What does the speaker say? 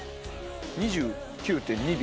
２９．２秒。